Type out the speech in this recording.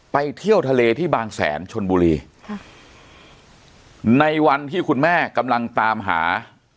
เที่ยวทะเลที่บางแสนชนบุรีค่ะในวันที่คุณแม่กำลังตามหา